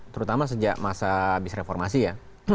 terutama sejak masa habis reformasi ya